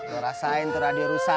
merasain terhadir rusak